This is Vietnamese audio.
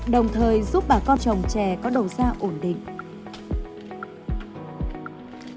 đồng thời giúp bà con trồng chè có đầu ra ổn định